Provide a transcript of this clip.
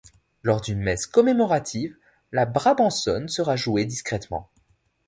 Lors d'une messe commémorative, la Brabançonne sera jouée discrètement.